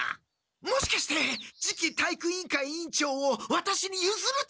もしかして次期体育委員会委員長をワタシにゆずると？